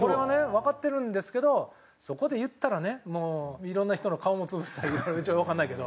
わかってるんですけどそこで言ったらねもう色んな人の顔も潰すわかんないけど。